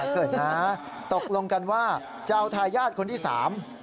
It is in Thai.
เขินนะตกลงกันว่าจะเอาทายาทคนที่สาม